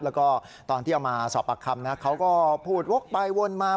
แล้วก็ตอนที่เอามาสอบปากคำนะเขาก็พูดวกไปวนมา